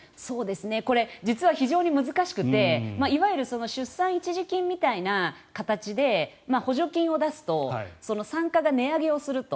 これ、実は非常に難しくていわゆる出産一時金みたいな形で補助金を出すと産科が値上げをすると。